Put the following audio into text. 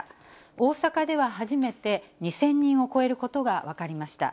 大阪では初めて２０００人を超えることが分かりました。